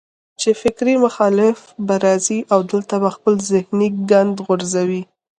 چې فکري مخالف به راځي او دلته به خپل ذهني ګند غورځوي